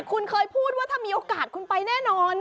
คุณเคยพูดว่าถ้ามีโอกาสคุณไปแน่นอน